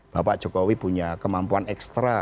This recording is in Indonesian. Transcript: bapak jokowi punya kemampuan ekstra